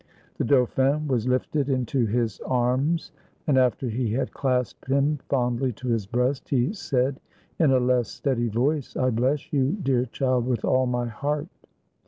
The dauphin was lifted into his arms; and after he had clasped him fondly to his breast, he said, in a less steady voice, — "I bless you, dear child, with all my heart."